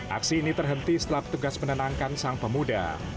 aksi ini terhenti setelah petugas menenangkan sang pemuda